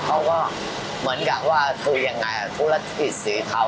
เขาก็เหมือนกับว่าคือยังไงธุรกิจสีเทา